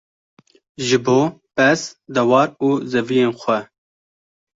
ji bo pez, dewar û zeviyên xwe